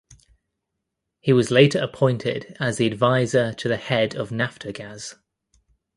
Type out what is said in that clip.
He was later appointed as the Advisor to the Head of Naftogaz.